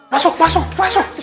masuk masuk masuk